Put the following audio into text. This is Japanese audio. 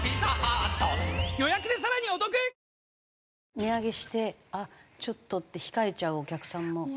値上げして「あっちょっと」って控えちゃうお客さんも？